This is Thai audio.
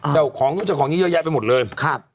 เจ้าของนี่เยอะแยะไปหมดเลย